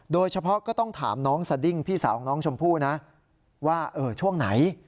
ก็ต้องถามน้องสดิ้งพี่สาวของน้องชมพู่นะว่าช่วงไหน